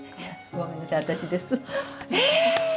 ごめんなさい私です。え！